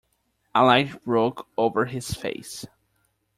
A light broke over his face.